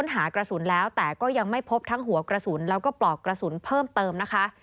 หากระสุนแล้วแต่ก็ยังไม่พบทั้งหัวกระสุนแล้วก็ปลอกกระสุนเพิ่มเติมนะคะ